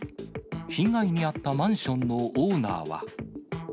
被害に遭ったマンションのオーナーは。